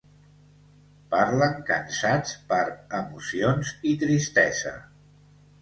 Parlen cansats per emocions i tristesa.